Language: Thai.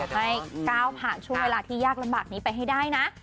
ให้ก้าวผ่านช่วงเวลาที่ยากลำบากนี้ไปให้ได้นะ